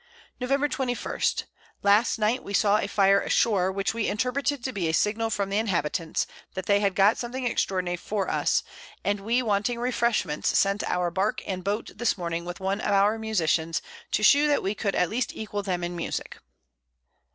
Nov. 21. Last Night we saw a Fire ashore, which we interpreted to be a Signal from the Inhabitants, that they had got something extraordinary for us; and we wanting Refreshments, sent our Bark and Boat this Morning with one of our Musicians, to shew that we could at least equal them in Musick.